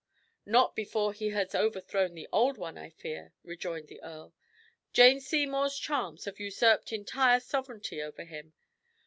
"Not before he has overthrown the old one, I fear," rejoined the earl. "Jane Seymour's charms have usurped entire sovereignty over him.